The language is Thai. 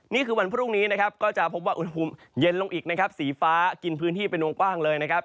นี่คือวันพรุ่งนี้นะครับก็จะพบว่าอุณหภูมิเย็นลงอีกนะครับสีฟ้ากินพื้นที่เป็นวงกว้างเลยนะครับ